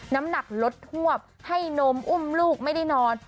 น้ำหนักลดทวบให้นมอุ้มลูกไม่ได้นอน